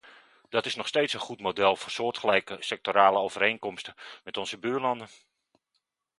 Dat is nog steeds een goed model voor soortgelijke sectorale overeenkomsten met onze buurlanden.